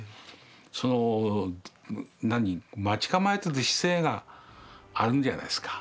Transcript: そのなに待ち構えてる姿勢があるんじゃないですか。